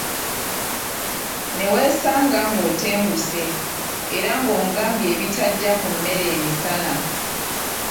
Neweesanga “ng'otenguse”era ng’omugambye ebitajja ku mmere emisana.